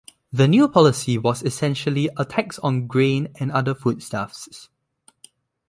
The new policy was essentially a tax on grain and other foodstuffs.